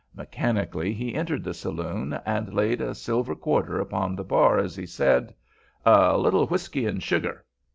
Mechanically he entered the saloon, and laid a silver quarter upon the bar as he said: "A little whiskey an' sugar."